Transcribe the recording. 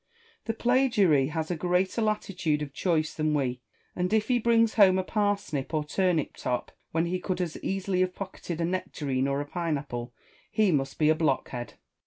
Porson. The plagiary has a greater latitude of choice than we ; and if he brings home a parsnip or turnip top, when he could as easily have pocketed a nectarine or a pine apple, he must be a blockhead.